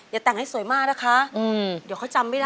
แต่งให้สวยมากนะคะเดี๋ยวเขาจำไม่ได้